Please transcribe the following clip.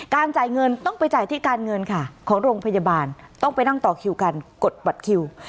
จ่ายเงินต้องไปจ่ายที่การเงินค่ะของโรงพยาบาลต้องไปนั่งต่อคิวกันกดบัตรคิว